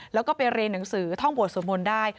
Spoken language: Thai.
แล้วก็ไปเรียนหนังสือท่องบวชสวดมนต์ได้